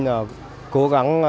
và cố gắng mua sách vở